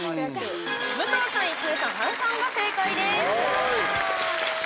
武藤さん、郁恵さん原さんが正解です。